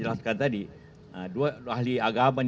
jelaskan tadi dua ahli agama